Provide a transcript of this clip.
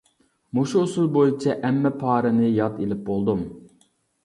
مۇشۇ ئۇسۇل بويىچە ئەممە پارىنى ياد ئېلىپ بولدۇم.